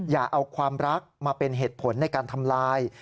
อย่าเอาความรักมาเป็นเหตุผลในการทำลาย